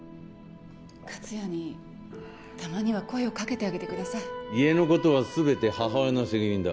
克哉にたまには声をかけて家のことは全て母親の責任だ。